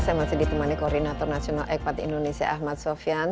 saya masih di teman koordinator nasional ekpati indonesia ahmad sofian